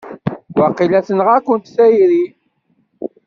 Waqila tenɣa-kent tayri!